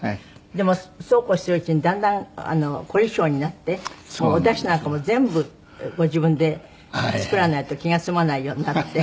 でもそうこうしているうちにだんだん凝り性になっておダシなんかも全部ご自分で作らないと気が済まないようになって。